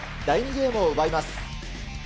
第２ゲームを奪います。